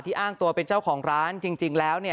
ที่อ้างตัวเป็นเจ้าของร้านจริงแล้ว